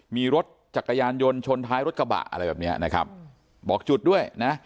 มีรถจักรยานยนต์ชนท้ายรถกระบะอะไรแบบเนี้ยนะครับบอกจุดด้วยนะ